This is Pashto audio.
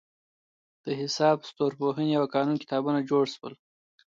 د حساب، ستورپوهنې او قانون کتابونه جوړ شول.